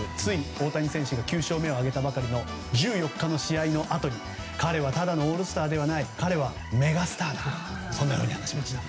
大谷選手が９勝目を挙げたばかりの１４日の試合のあとに彼はただのオールスターではない彼はメガスターだと話しました。